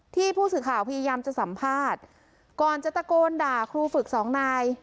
ที่ผู้สื่อข่าวพยายามจะสัมภาษณ์ก่อนจะตะโกนด่าครูฝึกสองนาย